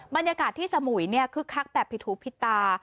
บรรยากาศที่สมุยเนี่ยคือคักแบบผิดถูกผิดตา